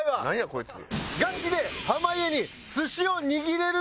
こいつ。